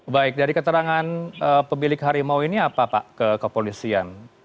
baik dari keterangan pemilik harimau ini apa pak ke kepolisian